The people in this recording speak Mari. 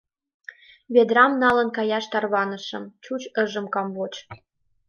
Ведрам налын каяш тарванышым, чуч ыжым камвоч.